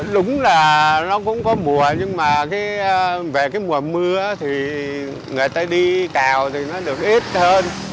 đúng là nó cũng có mùa nhưng mà về cái mùa mưa thì người ta đi cào thì nó được ít hơn